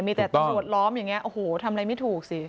มีแต่ตำรวจล้อมอย่างนี้โอ้โหทำอะไรไม่ถูกสิ